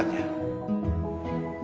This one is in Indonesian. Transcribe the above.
bikin puisi apa ya